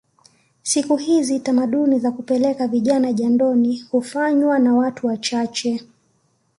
Siku hizi tamaduni za kupeleka vijana jandoni hufanywa na watu wachache